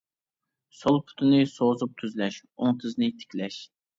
سول پۇتنى سوزۇپ تۈزلەش، ئوڭ تىزنى تىكلەش.